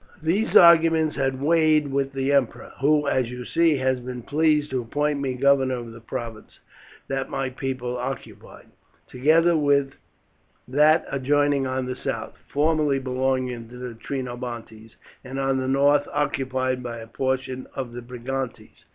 "These arguments had weight with the emperor, who, as you see, has been pleased to appoint me governor of the province that my people occupied, together with that adjoining on the south, formerly belonging to the Trinobantes, and on the north occupied by a portion of the Brigantes."